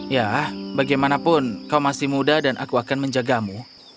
ya bagaimanapun kau masih muda dan aku akan menjagamu